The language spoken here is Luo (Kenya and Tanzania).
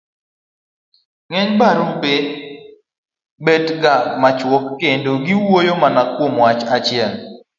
ng'eny barupe bet ga machuok kendo giwuoyo mana kuom wach achiel.